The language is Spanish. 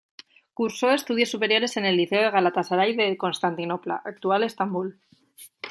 Cursó estudios superiores en el Liceo de Galatasaray de Constantinopla -actual Estambul-.